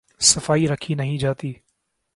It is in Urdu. صفائی رکھی نہیں جاتی۔